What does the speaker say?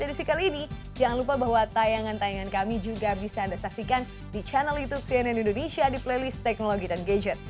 jadi sekarang ini jangan lupa bahwa tayangan tayangan kami juga bisa anda saksikan di channel youtube cnn indonesia di playlist teknologi dan gadget